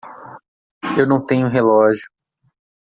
Eu não tenho relógio.